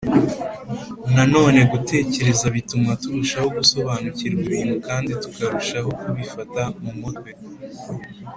Nanone gutekereza bituma turushaho gusobanukirwa ibintu kandi tukarushaho kubifata mu mutwe